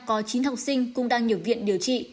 có chín học sinh cũng đang nhập viện điều trị